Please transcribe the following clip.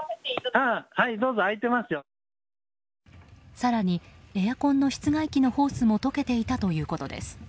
更にエアコンの室外機のホースも溶けていたということです。